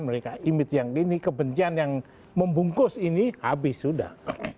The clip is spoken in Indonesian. mereka image yang ini kebencian yang membungkus ini habis sudah